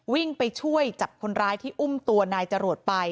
วิ่งไปช่วยจับคนร้ายที่อุ้มตัวนายจรวดไป